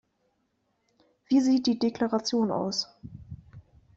Wie sieht die Deklaration aus?